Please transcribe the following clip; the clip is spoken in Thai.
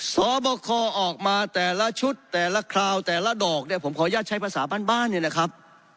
สอบคอออกมาแต่ละชุดแต่ละคราวแต่ละดอกเนี่ยผมขออนุญาตใช้ภาษาบ้านบ้านเนี่ยนะครับ